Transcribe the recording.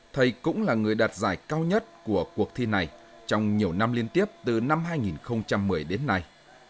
thầy cũng là người đạt giải cao nhất của cuộc thi này trong nhiều năm liên tiếp từ năm hai nghìn một mươi đến nay